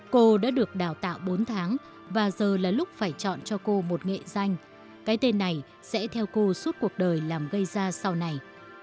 cô đã được đào tạo bốn tháng và giờ là lúc phải chọn cho cô một nghệ danh cái tên này sẽ theo cô suốt cuộc đời làm gây ra sau này